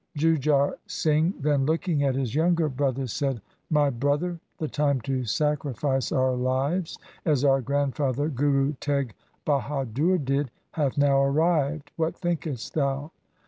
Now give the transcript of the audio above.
Jujhar Singh then looking at his younger brother said, ' My brother, the time to sacrifice our lives, as our grandfather Guru Teg Bahadur did, hath now arrived. What thinkest thou